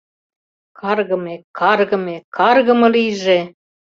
Каргыме, каргыме, каргыме лийже!..